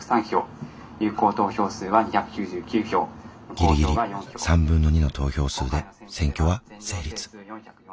ギリギリ2/3の投票数で選挙は成立。